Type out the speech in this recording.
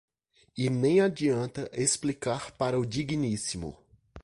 E nem adianta explicar para o digníssimo.